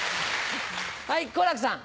はい好楽さん。